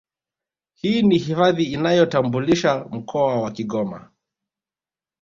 Hii ni hifadhi inayoutambulisha mkoa wa Kigoma